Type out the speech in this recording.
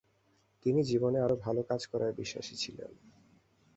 তিনি জীবনে আরও ভাল কাজ করায় বিশ্বাসী ছিলেন।